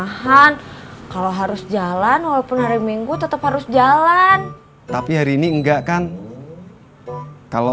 lahan kalau harus jalan walaupun hari minggu tetap harus jalan tapi hari ini enggak kan kalau